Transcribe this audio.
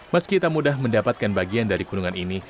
meski tak mudah mendapatkan bagian dari gunungan ini